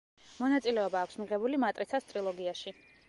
მონაწილეობა აქვს მიღებული „მატრიცას“ ტრილოგიაში.